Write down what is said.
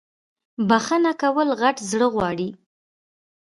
بخښنه کول غت زړه غواړی